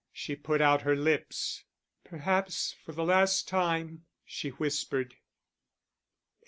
She put out her lips. "Perhaps for the last time," she whispered.